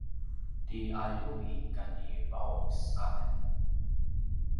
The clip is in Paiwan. ti aljuy kati vaus amen